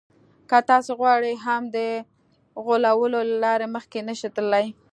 که تاسې وغواړئ هم د غولولو له لارې مخکې نه شئ تللای.